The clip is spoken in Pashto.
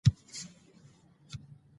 ډیجیټل بانکوالي د بشري غلطیو کچه راټیټوي.